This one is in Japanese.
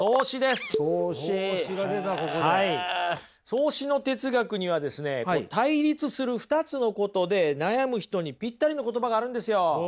荘子の哲学にはですね対立する２つのことで悩む人にぴったりの言葉があるんですよ。